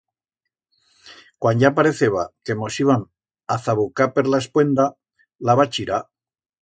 Cuan ya pareceba que mos íbam a zabucar per la espuenda, la va chirar.